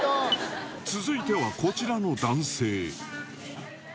続いてはこちらの男性。